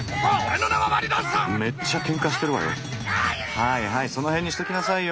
はいはいそのへんにしときなさいよ。